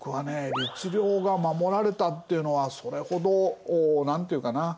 律令が守られたっていうのはそれほど何ていうかな